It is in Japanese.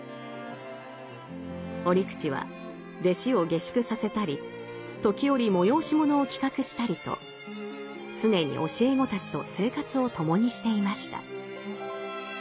折口は弟子を下宿させたり時折催し物を企画したりと常に教え子たちと生活を共にしていました。